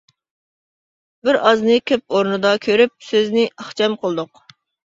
بىز ئازنى كۆپ ئورنىدا كۆرۈپ، سۆزىنى ئىخچام قىلدۇق.